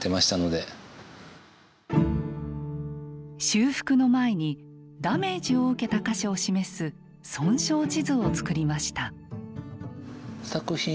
修復の前にダメージを受けた箇所を示す「損傷地図」を作りました。